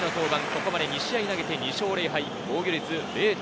ここまで２試合投げて２勝０敗、防御率０．５３。